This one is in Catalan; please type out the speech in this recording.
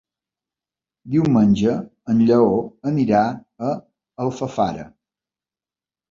Diumenge en Lleó anirà a Alfafara.